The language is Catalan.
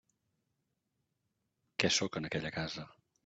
Què sóc en aquella casa?